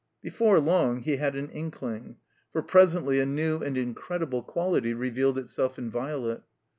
Before long he had an inkling. For presently a new and incredible quality revealed itself in Violet.